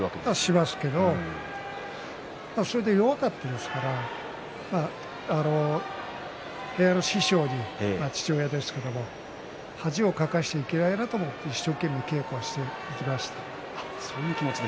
しますけれどもそれで弱かったですから部屋の師匠に、父親ですけれど恥をかかせていけないなと思って、一生懸命稽古をしていました。